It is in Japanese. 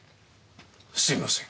すいません。